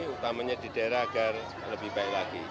utamanya di daerah agar lebih baik lagi